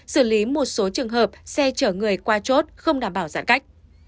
xử lý một số trường hợp xe chở người qua chốt không đảm bảo giãn cách